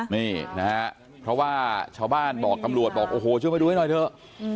นี่นะฮะเพราะว่าชาวบ้านบอกตำรวจบอกโอ้โหช่วยไปดูให้หน่อยเถอะ